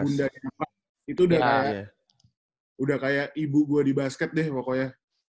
bunda yang apa itu udah kayak ibu gue di basket deh pokoknya